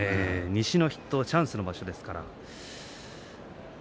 西の筆頭チャンスの場所ですから。